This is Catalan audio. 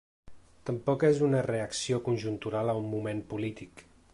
Tampoc és una reacció conjuntural a un moment polític.